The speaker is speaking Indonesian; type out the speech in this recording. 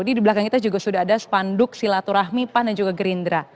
di belakang kita juga sudah ada spanduk silaturahmi pan dan juga gerindra